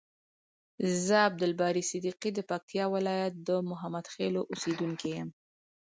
ز عبدالباری صدیقی د پکتیکا ولایت د محمدخیلو اوسیدونکی یم.